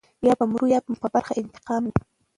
یا به مرو یا مو په برخه انتقام دی.